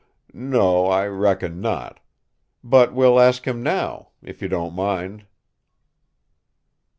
"No; I reckon not. But we'll ask him now if you don't mind."